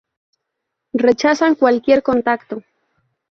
Rechazan cualquier contacto.